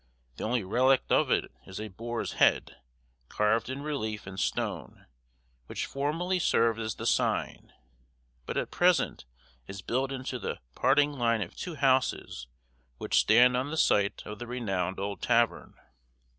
The only relict of it is a boar's head, carved in relief in stone, which formerly served as the sign, but at present is built into the parting line of two houses which stand on the site of the renowned old tavern.